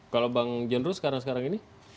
kalau bang jendro sekarang ini